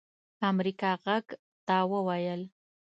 امريکا غږ ته وويل